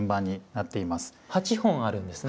８本あるんですね？